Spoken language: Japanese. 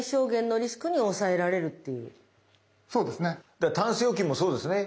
だからタンス預金もそうですね。